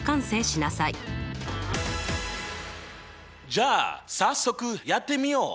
じゃあ早速やってみよう！